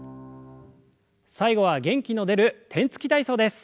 最後は元気の出る天つき体操です。